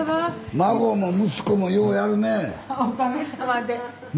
孫も息子もようやるね